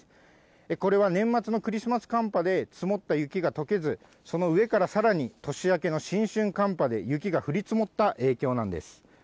これは年末のクリスマス寒波で積もった雪がとけず、その上からさらに年明けの新春寒波で、雪が降り積もった影響なんです。